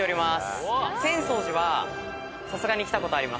浅草寺はさすがに来たことあります。